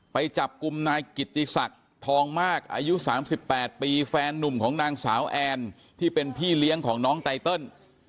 ไปจับกลุ่มนายกิตติศักดิ์ทองมากอายุ๓๘ปีแฟนนุ่มของนางสาวแอนที่เป็นพี่เลี้ยงของน้องไตเติล